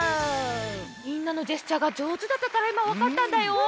みんなのジェスチャーがじょうずだったからいまわかったんだよ。